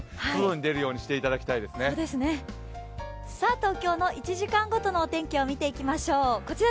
東京の１時間ごとの天気を見ていきましょう。